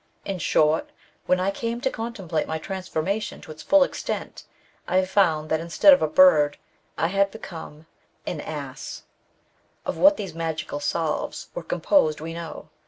In short, when I came to contemplate my transformation to its full extent, I found that, instead of a bird, I had become — an ass." * Of what these magical salves were composed we know.